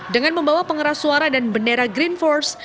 dengan membawa pengeras suara dan bendera green force